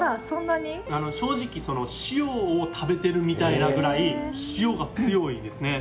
正直、塩を食べてるみたいなぐらい、塩が強いですね。